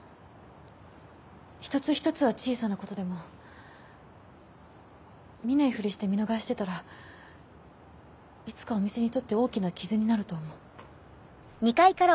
一つ一つは小さなことでも見ないふりして見逃してたらいつかお店にとって大きな傷になると思う。